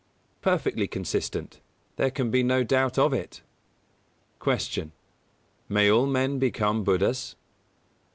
Perfectly consistent: there can be no doubt of it. 142. Q. _May all men become Buddhas?